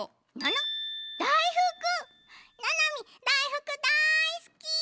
ななみだいふくだいすき！